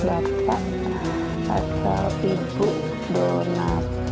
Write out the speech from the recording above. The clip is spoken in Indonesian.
bapak atau ibu dona